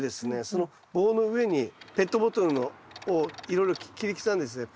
その棒の上にペットボトルをいろいろ切り刻んでですね